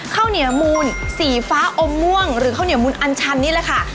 ข้าวเหนียวมูลสีฟ้าอมม่วงหรือข้าวเหนียวมูลอันชันนี่แหละค่ะ